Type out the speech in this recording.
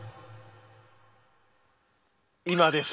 今です。